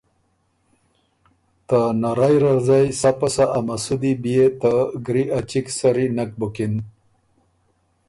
ته نرئ رغزئ سَۀ پَسۀ ا مسُودی بيې ته ګری ا چِګ سری نک بُکِن